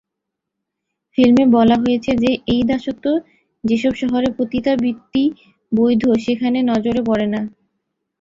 ফিল্মে বলা হয়েছে যে এই দাসত্ব যেসব শহরে পতিতাবৃত্তি বৈধ সেখানে নজরে পড়ে না।